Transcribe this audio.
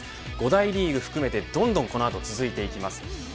５大リーグを含めてどんどん続いていきます。